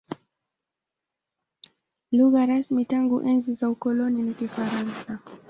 Lugha rasmi tangu enzi za ukoloni ni Kifaransa.